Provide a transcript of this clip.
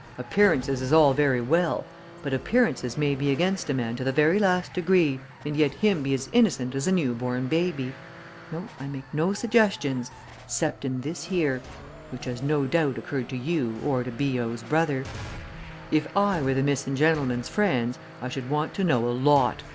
Appearances is all very well but appearances may be against a man to the very last degree, and yet him be as innocent as a new born baby! No I make no suggestions. 'Cepting this here which has no doubt occurred to you, or to B.O.'s brother. If I were the missing gentleman's friends I should want to know a lot!